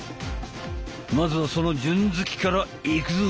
まずはその順突きからいくぞ！